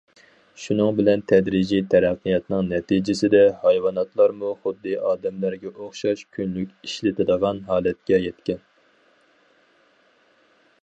شۇنىڭ بىلەن تەدرىجىي تەرەققىياتنىڭ نەتىجىسىدە، ھايۋاناتلارمۇ خۇددى ئادەملەرگە ئوخشاش كۈنلۈك ئىشلىتىدىغان ھالەتكە يەتكەن.